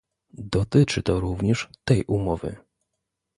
Dotyczy to również tej umowy